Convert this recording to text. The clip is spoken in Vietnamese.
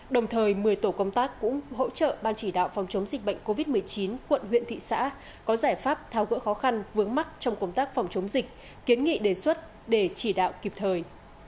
đồng thời một mươi tổ công tác cũng hỗ trợ ban chỉ đạo phòng chống dịch bệnh covid một mươi chín quận huyện thị xã có giải pháp tháo gỡ khó khăn vướng mắt trong công tác phòng chống dịch kiến nghị đề xuất để chỉ đạo kịp thời